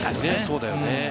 そうだよね。